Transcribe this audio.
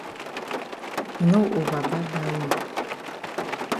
E no over bad dat way.